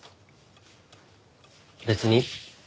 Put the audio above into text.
別に。